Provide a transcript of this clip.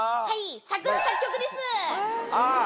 作詞作曲です。